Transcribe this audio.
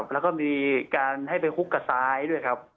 แล้วก็มีการให้ไปคุกกับซ้ายด้วยครับ